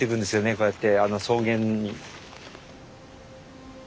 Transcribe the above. こうやってあの草原に。